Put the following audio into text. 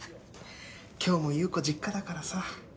今日も裕子実家だからさ。